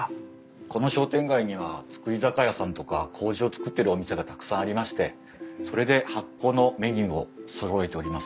この商店街には造り酒屋さんとかこうじを造ってるお店がたくさんありましてそれで発酵のメニューをそろえております。